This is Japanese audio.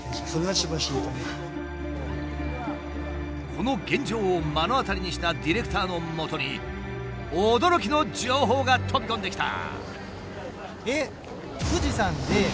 この現状を目の当たりにしたディレクターのもとに驚きの情報が飛び込んできた。